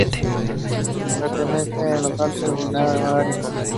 Pertenece a los Alpes Dináricos.